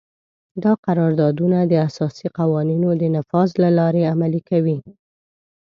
دا قراردادونه د اساسي قوانینو د نفاذ له لارې عملي کوي.